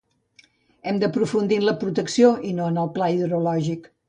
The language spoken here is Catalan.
Hem d’aprofundir en la protecció, i no en el pla hidrològic